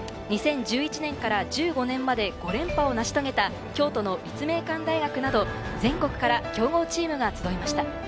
２０１１年から１５年まで５連覇を成し遂げた京都の立命館大学など、全国から強豪チームが集いました。